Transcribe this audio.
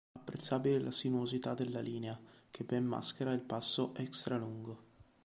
Apprezzabile la sinuosità' della linea, che ben maschera il passo "extra lungo".